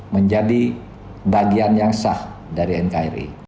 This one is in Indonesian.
menjadi bagian yang sah dari nkri